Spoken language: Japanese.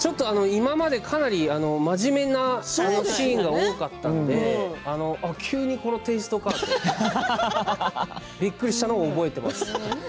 今まで、かなり真面目なシーンが多かったので急にこのテーストかとびっくりしたのを覚えています。